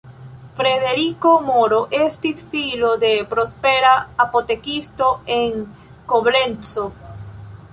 Frederiko Moro estis filo de prospera apotekisto en Koblenco.